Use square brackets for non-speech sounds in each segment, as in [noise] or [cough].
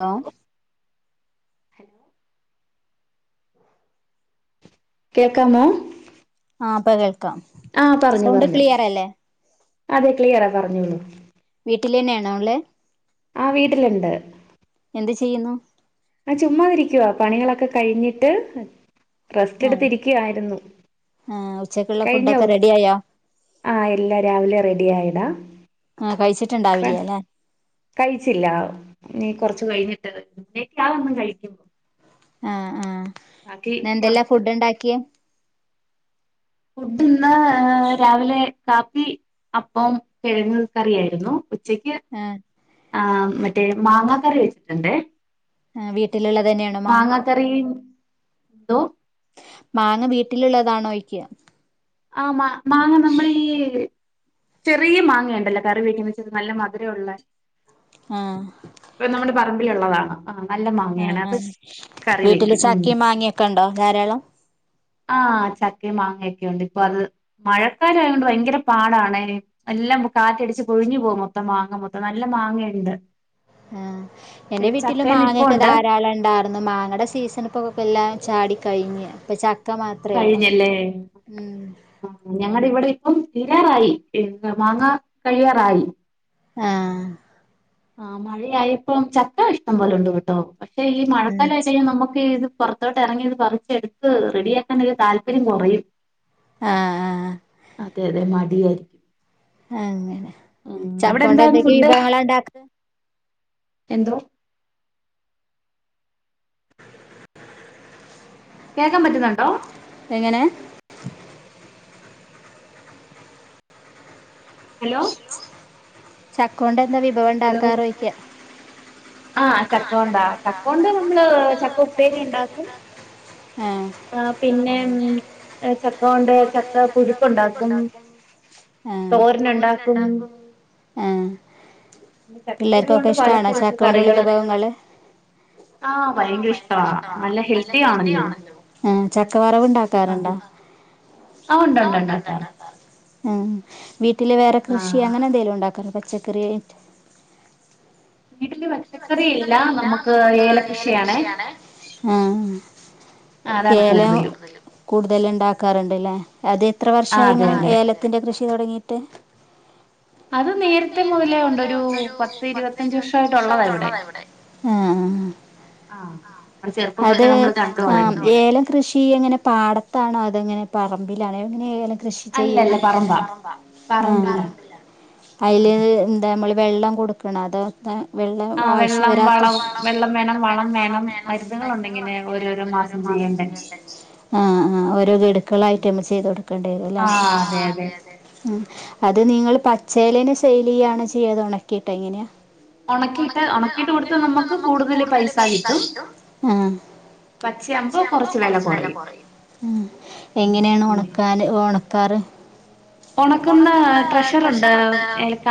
Law hello കേക്കാമോ? ആ ഇപ്പൊ കേൾ ക്കാം... സൗണ്ട് ക്ലിയർ അല്ലെ? അതെ ക്ലിയർ ആ പറഞ്ഞോളൂ. വീട്ടിലെന്നാണോ ഇങ്ങൾ? ആ വീട്ടില്ണ്ട്. എന്ത് ചെയ്യുന്നു? ആ ചുമ്മാതിരിക്കുവാ. പണികളൊക്കെ കഴിഞ്ഞിട്ട് റസ്റ്റ് എടുത്ത് ഇരിക്ക്യ ആയ്രുന്നു. കഴിഞ്ഞോ? ആ ഇല്ല രാവിലെ റെഡി ആയ ടാ ആ കഴിച്ചിട്ട്ണ്ടാവില്ല ലേ കഴിച്ചില്ല ഇനി കുറച്ച് കയിഞ്ഞ്ട്ട് ദഹിക്കാതെ ഒന്നും കഴിക്കുമ്പം ആ ആ ഇന്ന് എന്തെല്ലാം ഫുഡ് ഉണ്ടാക്കിയേ? ഫുഡ് ന്ന് രാവിലെ കാപ്പി അപ്പം കിഴങ്ങ് കറി ആയിരുന്നു. ഉ ച്ചക്ക് ആ മ റ്റേ മാങ്ങാ കറി വെച്ച്ട്ട്ണ്ട്. ഏ വീട്ടില്ള്ള മാണ്ടാ കറിയും, ന്തോ മാങ്ങ വീട്ടിലുള്ളതാണോയ്ക്കാ? ആ മാ മാങ്ങ നമ്മളീ ചെറിയ മാങ്ങേണ്ടല്ലോ? കറി വെക്കുന്ന ഇച്ച്റി നല്ല മധുരവു ള്ളെ നമ്മളെ പറമ്പിലുള്ളതാണ് ആ മാങ്ങി. ചക്കി മാങ്ങിയൊക്കെണ്ടോ ധാരാളം? ആ ചക്കേം മാങ്ങയൊക്കെ ഉണ്ട്. പ്പ അത് മഴക്കാല ആയോണ്ട് ഭയങ്കര പാടാണെ. എല്ലം കാറ്റടിച്ച് പൊഴിഞ്ഞ് പോകും മൊത്തം മാങ്ങ മൊത്തം. നല്ല മാങ്ങയ്ണ്ട്. ആ എന്റെ വീട്ടിലും മാങ്ങക്കെ ധാരാളം ഇണ്ടാരുന്നു. മാങ്ങ ടെ സീസണ് പ്പം എല്ലാം ചാടികയിഞ്ഞ് ഇപ്പ ച കയിഞ്ഞല്ലേ... ആ ഞങ്ങടെ ഇവടെ ഇ പ്പം തീരാറായി. ന്ന് മാങ്ങ കഴിയാറായി. ആ ആ മഴയായപ്പോ ചക്ക ഇഷ്ടം പോലെ ണ്ട് കെട്ടോ പക്ഷേ ഈ മഴക്കാലായി കയിഞ്ഞാ നമ്മക്ക് ഇത് പൊറത്തോട്ട് ഇറങ്ങി ന്ന് പറഞ്ഞെടുത്ത് റെഡിയാക്കാനൊരു താൽപര്യം കുറയും അതെ തെ മ [unintelligible] അങ്ങനെ ചക്കോണ്ട് എന്തെക്കെ വിഭവങ്ങളാ ണ്ടാക്കാ എന്തോ കേക്കാൻ പറ്റുന്നുണ്ടോ എങ്ങനെ ഹലോ ചക്കോണ്ട് എ ന്താ വിഭവം ണ്ടാക്കാറ് ഒയ്ക്കാ ആ ചക്കോണ്ടാ ചക്കോണ്ട് നമ്മള് ചക്ക ഉപ്പേരി ണ്ടാക്കും ആ പിന്നെ ഉം ചക്ക കൊണ്ട് ചക്ക പുഴുക്ക് ഉണ്ടാക്കും തോരൻ ഉണ്ടാക്കും പിന്നെ ചക്കക്കുരു കൊണ്ട് പല സൈസ് കറികൾ ആഹ് ഭയങ്കര ഇഷ്ടവാ നല്ല ഹെൽത്തിയും ആണല്ലോ ഉം ചക്ക വറുവ് ഉണ്ടാക്കാറുണ്ടോ ആ ഉണ്ട് ണ്ട് ണ്ട് ഇണ്ടാക്കാറ് ഏ വീട്ടില് വേറെ കൃഷി അങ്ങനെ എന്തേലും ഉണ്ടാക്കല് പച്ചക്കറി വീട്ടില് പച്ചക്കറി ഇല്ല നമുക്ക് ഏല കൃഷി ആണേ ഉം ഏലം കൂടുതൽ ഉണ്ടാക്കാറുണ്ട് ലേ അത് എത്ര വർഷയി ഇങ്ങനെ ഏലത്തിൻ്റെ കൃഷി തുടങ്ങി ട്ട് അത് നേരത്തെ മുതലെ ഉണ്ട് ഒരു പത്ത് ഇരു വത്തഞ്ച് വർഷായിട്ട് ഉള്ളതാ ട്ടുള്ളതാ ഇവിടെ ഉം ആഹ് അത് ആ ഏലം കൃഷി ഇങ്ങനെ പാടത്താണോ അതോ ഇങ്ങനെ പറമ്പിലാണെ എങ്ങനേണ് കൃഷി ചെയ്ണ് അല്ല അല്ല പറമ്പാ പറമ്പിലാ ഉം അയില് എന്താ മ്മള് വെള്ളം കൊടുക്കണോ അതോ ത ആ വെള്ളം വളം വെള്ളം വേണം വളം വേണം മരുന്നുകൾ ഉണ്ടെങ്ങനെ ഓരോരോ മാസം ചെയ്യണ്ടെ ആഹ് ആഹ് ഓരോ ഗഡുക്കളായി ട്ടയ്മെ ചെയ്ത് കൊടുക്കേണ്ടിയരും ലേ ഉം അത് നിങ്ങള് പച്ചേലെന്നെ സെയിൽ ചെയ്യാണാ ചെയ്യ അതോ ഉണക്കീട്ടോ എങ്ങനെയാ ഒണക്കീട്ട് ഒണക്കീട്ട് കൊടുത്താ നമക്ക് കൂടുതൽ പൈസ കിട്ടും പച്ചയാമ്പോ കൊറച്ച് വെല കുറയും എങ്ങനെയാണ് ഒണക്കാന് ഒണ ക്കാറ് ഒണക്കുന്ന ട്രെഷർ ഉണ്ട്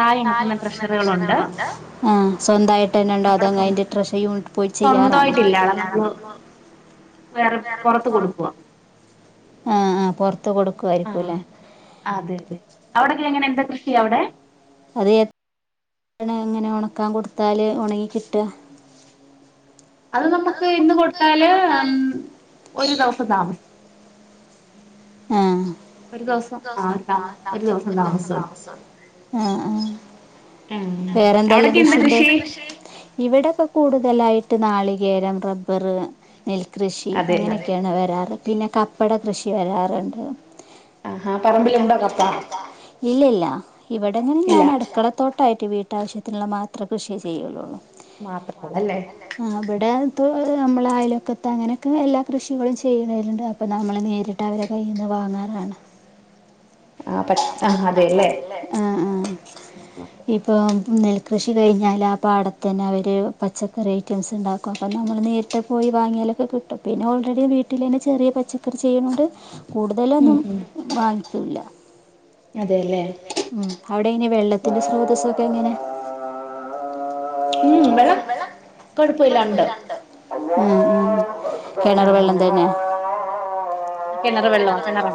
ഏലക്കായ് ഉ ഒണക്കുന്ന ട്രഷറുകൾ ഉണ്ട് ഉം സ്വന്തമായിട്ട് തന്നെ ഉണ്ടോ അതോ ട്രഷറു യൂണിറ്റിൽ പോയി ചെയ്യാറാണോ സ്വന്തായിട്ട് ഇല്ല നമ്മള് വേറെ പുറത്ത് ആഹ് പുറത്ത് ആഹ് അതെ അതെ അവിടെയെക്കെ എങ്ങനാ എന്ത് കൃഷിയാ അവിടെ അതെ ങ്ങാണ് ഉണക്കാൻ കൊടുത്താല് ഉറങ്ങി കിട്ടാ [unintelligible] അത് നമുക്ക് ഇന്ന് കൊടുത്താല് മ്മ് ഒരു ദിവസം താമസിക്കും ഉം ഉം വേറെന്തെല്ലാം കൃഷി ഉണ്ട് ഇവിടെ ഇപ്പോ കൂടുതൽ ആയിട്ട് നാളികേരം, റബ്ബർ, നെൽ കൃഷി അങ്ങനെയെക്കെ ആണ് വരാറ് പിന്നെ കപ്പ ഇവിടെ കൃഷി വരാറുണ്ട് പറമ്പിൽ ഉണ്ടോ കപ്പാ? ഇല്ലില്ല ഇവിടങ്ങളിൽ ഞാൻ അടുക്കളതോട്ട വിട്ടാവശ്യത്തിന് മാത്രം കൃഷി ചെയ്യുള്ളു [unintelligible] ഉം അവടെ ദ് [unintelligible] [unintelligible] അതല്ലേ ആ ആ നെൽ കൃഷി കഴിഞ്ഞാൽ ആ പാടത്ത് തന്നെ അവർ പച്ചക്കറി ഐറ്റംസ് ഉണ്ടാകും. അപ്പൊ നമ്മൾ നേരിട്ട് പോയാൽ അത് കിട്ടും. പിന്നെ വീട്ടിൽ തന്നെ ചെറിയ പച്ചക്കറി ചെയ്യുന്നുണ്ട് കൂടുതലൊന്നും വാങ്ങിച്ചിട്ടില്ല ഉം [unintelligible] ഉം വെള്ള [unintelligible] [unintelligible] [unintelligible] [unintelligible] കിണർ വെള്ളം കിണർ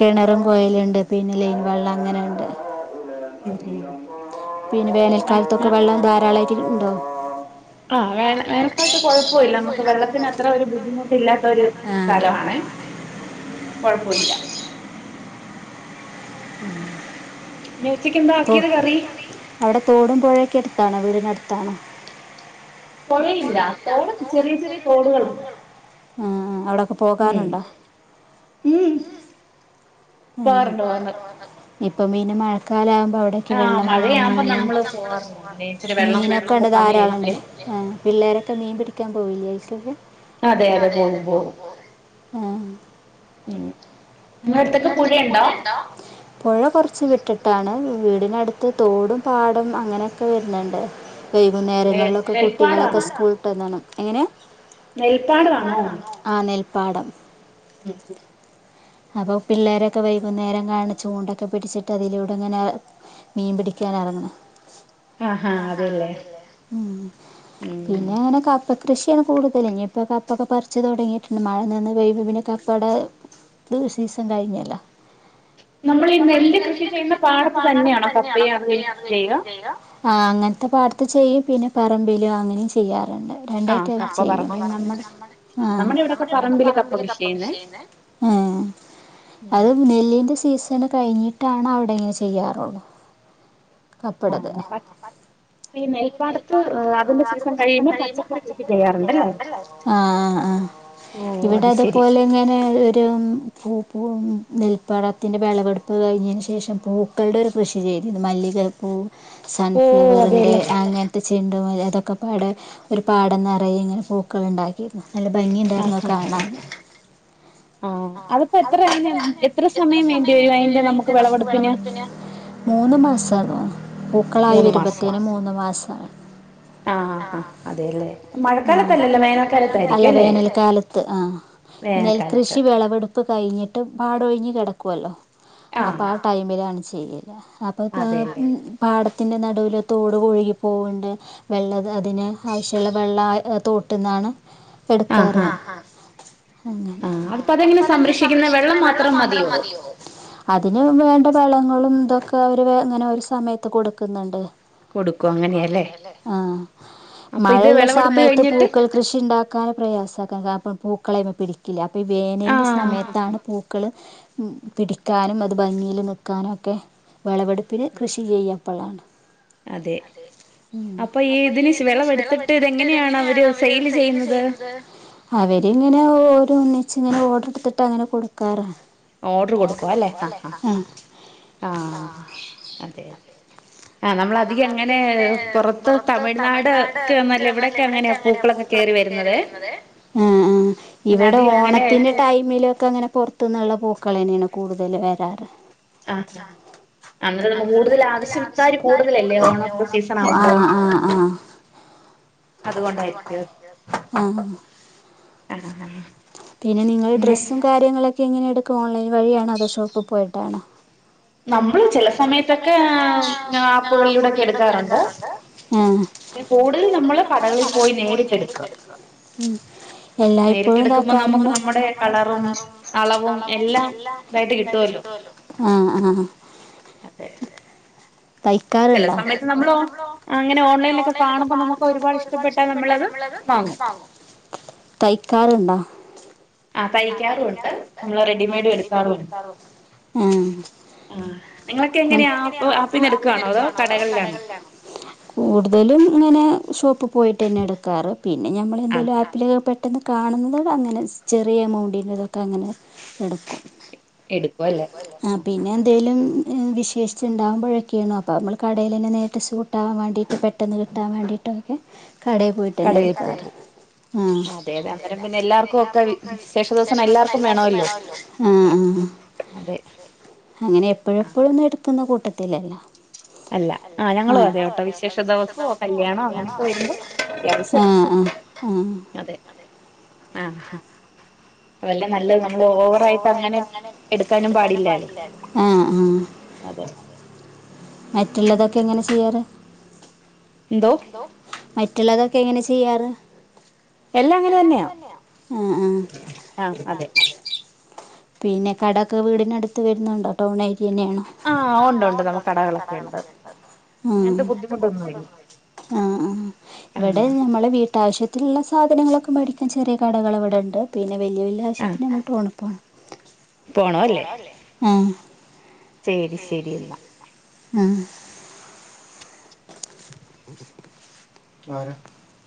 കിണറും പുഴഉണ്ട് പിന്നെ ലൈൻ വെള്ളം അങ്ങനെന്നെ [inaudible] പിന്നെ വേനൽക്കാലതൊക്കെ വെള്ളം ധാരാളായിട്ട് [unintelligible] ആ വേനൽക്കാലത്ത് കൊഴപ്പല്ല നമുക്ക് വെള്ളത്തിന് അത്ര ബുദ്ധിമുട്ട് ഇല്ലാത്ത കാലമാണ്. കൊഴുപ്പില്ല ഉം ഒ അവടെ തോടും പുഴയൊക്കെ അടു താണോ വീടിനടുത്താണോ പുഴയില്ല തോട് ചെറിയ ചെറിയ തോടുകളുണ്ട്. ആ അവടൊക്കെ പോകാറുണ്ടോ? ഉം ഇപ്പൊ പിന്നെ മഴക്കാലാകു [unintelligible] ഉം ഉം പുഴ കൊറച്ച് വിട്ടി ട്ടാണ് വീടിനടുത്ത് തോട് പാടം അങ്ങനൊക്കെ വരണണ്ട്. വൈകുന്നേരങ്ങളിലൊക്കെ കുട്ടികളൊക്കെ സ്കൂള് വിട്ട് വന്നാണ് എങ്ങിനാ നെൽപാടവാണോ പാടം ഉം ഉം അപ്പോം പിള്ളേരൊക്കെ വൈകുന്നേരം കാണാ ചൂണ്ടക്കെ പിടിച്ചിട്ട് അതിലൂടിങ്ങനെ മീൻ പിടിക്കാനിറങ്ങണെ അ അ അതെല്ലെ ഉം കൃഷിയാണ് കൂടുതല് ഇനിപ്പോ കപ്പക്കെ പറിച്ച് തുടങ്ങിട്ടുണ്ട് മഴ നിന്ന് പെയ്യുമ്പം പിന്നെ കപ്പേയുടെ ഇത് സീസ ൻ കഴിഞ്ഞല്ല നമ്മളി നെല്ല് കൃഷി ചെയ്യുന്ന പാടത്ത് തന്നെയാണോ കപ്പയും അതുകഴിഞ്ഞു കൃഷി ചെയ്യുക അ അങ്ങനെത്തെ പാടത്ത് ചെയ്യും പിന്നെ പറമ്പിലും അങ്ങനെ ചെയ്യാ റണ്ട് രണ്ടായിട്ടത് ചെയ്യും നമ്മടെ നമ്മുടെ ഇവിടെയൊക്കെ പറമ്പില് കപ്പ കൃഷി ചെയ്യുന്നെ അ അത് നെല്ലിൻ്റെ സീസ് സണ് കഴിഞ്ഞട്ടാണ് അവിടെ ഇങ്ങനെ കൃഷി ചെയ്യാറുള്ളെ കപ്പ ഇടത് ഈ നെൽപ്പാടത്ത് അതിന്റെ സീസൺ കഴിയുമ്പോ പച്ചക്കറി കൃഷി ചെയ്യാറുണ്ടല്ലേ ആ ആ ഇവിടെ അതുപോലിങ്ങനെ ഒരു പൂ പൂ നെൽപാടത്തിൻ്റെ വെളവുടുപ്പ് കഴിഞ്ഞേനു ശേഷം പൂക്കളുടെ ഒരു കൃഷി ചെയ്തിരുന്നു മല്ലിക പൂ സൺഫ്ലവറിൻ്റെ അങ്ങൻത്തെ ചെ ടോം ഏതൊക്കെ പാടെ ഒരുപാടം നിറയെ ഇങ്ങനെ പൂക്കളുണ്ടായി നല്ല ഭംഗിയുണ്ടായിരുന്നു അത് കാണാൻ അതിപ്പം എത്ര അതിന് എത്ര സമയം വേണ്ടി വരും അതിൻ്റെ നമ്മുക്ക് വിളവെടുപ്പിന്. മൂന്നു മാസം പൂക്കളായി വരുമ്പോത്തേന് മൂന്ന് മാസം ആ ആ മഴകാലത്അല്ലല്ലോ വേനൽകാലത് അ അല്ല വേനൽ കാലത്ത് ആ നെൽകൃഷി വേളവേ കൈഞ്ഞിട്ടുംപാടം ഒഴിഞ്ഞ് കിടക്കൊല്ലോ അപ്പാ ആ ടൈമിലാണ് ചെയ്യ ഇല്ല അപ്പോ താത്തി പാടത്ത് തിൻ്റെ നടൂല് തോട് ഒഴുകി പോണ്ട് വെള്ളംതതിൻ്റെ ആവശ്യള്ള വെള്ള തോട്ട് ന്നാണ് എടുക്കാറ് അതെങ്ങനെ സംരക്ഷിക്കുന്നു വെള്ളം മാത്രം മതിയോ അതിന് വേണ്ട വളങ്ങളും ഇതൊക്കെ അവര് ഒരു സമയത്ത് കൊടുക്കുന്നുണ്ട് മഴയുള്ള സമയത്ത് പൂക്കൾ കൃഷി ണ്ടാക്കാൻ പ്രയാസക്ക പൂക്കളതിമ്മേൽ പിടിക്കില്ല അപ്പോ ഈ വേ ആമയത്താണ് പൂക്കള് പിടിക്കാനും അത് ഭംഗിയില് നിക്കാനൊക്കെ വെളവെടുപ്പിന് കൃഷി ചെയ്യാം അതാണ് ളം അവര് ഇങ്ങനെപ്പോ ഒന്നിച്ച് [unintelligible] ട്ട അങ്ങനെ കൊടുക്കലാ ഓർഡർ കൊടുക്കു അല്ലേ ആ അതെ അതെ ആ ആ ഇവിടെ ഓണത്തിന്റെ ടൈമിലൊക്കെ അങ്ങനെ പൊറത്ത്ന്നാ പൂ ക്കളെന്നാണ് കൂടുതൽ വരാറ് അ അന്നേരം കൂടുതൽ ആവശ്യക്കാരും ആ ആ ആ ആ പിന്നെ നിങ്ങൾ ഡ്രസ്സും കാര്യങ്ങളും എങ്ങനെ എടുക്കും ഒൺലൈ വഴിയാണോ അതോ ഷോപ്പിൽ പോയി ട്ടാണോ നമ്മൾ ചെല സമയത്തൊക്കെ ഫോണിലൂടൊക്കെ എടുക്കാറുണ്ട് ആകൂടുതൽ നമ്മൾ കടകളിൽ പോയി നേരിട്ട് എടുക്കുവ എല്ലായിപ്പോഴും [unintelligible] [inaudible] തൈക്കാറുണ്ടോ തൈക്കാറുണ്ടോ ഉം കൂടുതലും [unintelligible] ഷോ പോയിട്ടെന്നെ എടുക്കാറ് പിന്നെ നമ്മൾ എന്തെങ്കിലും ആപ്പിൽ പെ കാണുന്നതങ്ങനെ ചെറിയമൗണ്ടിൻ്റെ ദൊക്കേഅങ്ങനെ എടുക്കും ആ പിന്നെ എന്തേലും വിശേഷിച്ച് ണ്ട വു പ [unintelligible] കടേലെന്നെ നേരത്തെ സ്യൂട്ടാവാൻ വേണ്ടീട്ട് പെട്ടെന്ന് കിട്ടാൻ വേണ്ടിയിട്ട് ഒക്കെ കടേ പോയിട്ടെന്നെടുക്കാ ആ അ ആ അങ്ങനെ എപ്പഴും എപ്പഴും എടുക്കുന്ന കൂട്ട [unintelligible] അല്ല ആ ഞങ്ങളും അതേട്ടോ വിശേഷ ദിവസോ കല്യാണോ അങ്ങനെയൊക്കെ വരുമ്പംഅത്യാവശ്യം അതെ ആ അ ആ [inaudible] മറ്റുള്ളതൊക്കെ എങ്ങിനെ ചെയ്യാറ് മറ്റുള്ളത് ഒ എങ്ങിനെ ചെയ്യാറ് ആ ആ പിന്നെ കട ഒക്കെ വീടിൻ അട്ത്ത് വെര് ൺണ്ടോ? ടൗൺ ഏ പിന്നെ ഉം ആ ആ ഇവടെ ഞമ്മടെ വീട്ടാവശ്യ ഇള്ള സാധനങ്ങളൊക്കെ മേടിക്കാൻ ചെറിയ കടകൾ ഇവടെണ്ട്. പിന്നെ വല്യ വല്യ ആവശ്യത്തിൻ ടൗണിൽ പോണം അ അ ആരാ